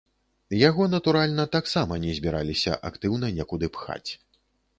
Яго, натуральна, таксама не збіраліся актыўна некуды пхаць.